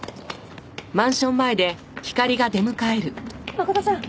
真琴ちゃん！